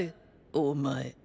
お前！